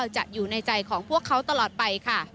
จะอยู่ในใจของพวกเขาตลอดไปค่ะ